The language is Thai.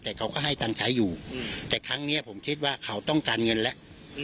แต่เขาก็ให้ตังค์ใช้อยู่แต่ครั้งนี้ผมคิดว่าเขาต้องการเงินแล้ว